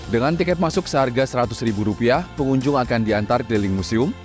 dengan tiket masuk seharga seratus ribu rupiah pengunjung akan diantar keliling museum